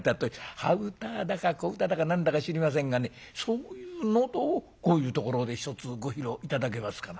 端唄だか小唄だか何だか知りませんがねそういう喉をこういうところで一つご披露頂けますかな」。